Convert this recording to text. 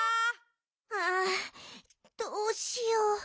あどうしよう。